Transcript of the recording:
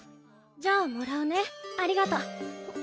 じゃあもらうねありがとう。